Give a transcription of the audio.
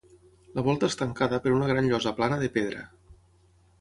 La volta és tancada per una gran llosa plana de pedra.